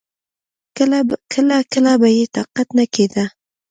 کله کله به يې طاقت نه کېده.